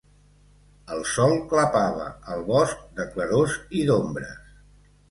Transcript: El sol clapava el bosc de clarors i d'ombres.